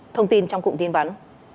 thông tin trong cụm tin vắn